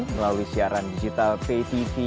melalui siaran digital patv